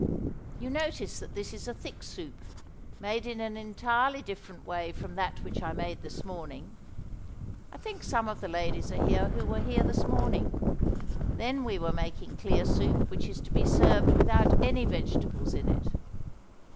You notice that this is a thick soup, made in an entirely different way from that which I made this morning. I think some of the ladies are here who were here this morning. Then we were making clear soup which is to be served without any vegetables in it.